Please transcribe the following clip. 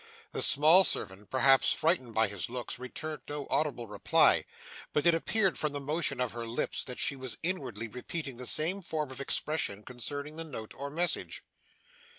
The small servant, perhaps frightened by his looks, returned no audible reply; but it appeared from the motion of her lips that she was inwardly repeating the same form of expression concerning the note or message.